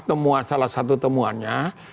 temuan salah satu temuannya